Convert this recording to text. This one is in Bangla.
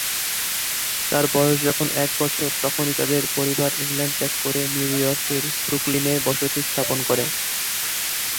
তার বয়স যখন এক বছর তখনই তাদের পরিবার ইংল্যান্ড ত্যাগ করে নিউ ইয়র্কের ব্রুকলিনে বসতি স্থাপন করে।